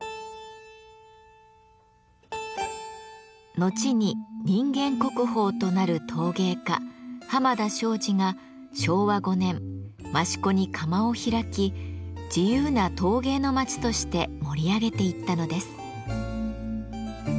後に人間国宝となる陶芸家濱田庄司が昭和５年益子に窯を開き自由な陶芸の町として盛り上げていったのです。